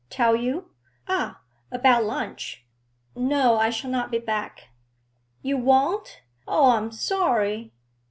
'Tell you? Ah, about lunch. No, I shall not be back.' 'You won't? Oh, I am sorry.'